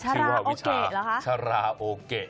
ชื่อว่าวิชาชาราโอเกะ